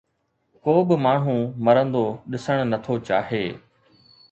ڪو به ماڻهو مرندو ڏسڻ نٿو چاهي